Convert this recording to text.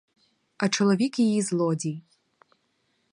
А чоловік її злодій.